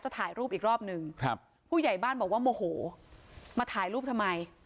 ถ่ายรูปอีกรอบหนึ่งครับผู้ใหญ่บ้านบอกว่าโมโหมาถ่ายรูปทำไม